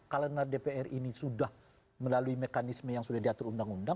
karena dpr ini sudah melalui mekanisme yang sudah diatur undang undang